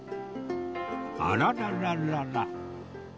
あらららら